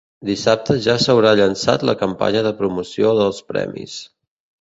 Dissabte ja s'haurà llançat la campanya de promoció dels premis.